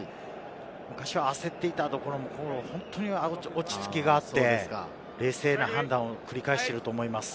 昔は焦っていたところも本当に落ち着きがあって、冷静な判断を繰り返していると思います。